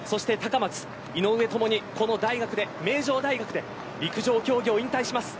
高松、井上ともに大学で、名城大学で陸上競技を引退します。